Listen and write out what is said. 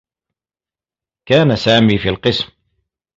كان سامي في القسم.